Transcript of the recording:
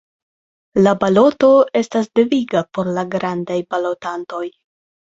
La baloto estas deviga por la grandaj balotantoj.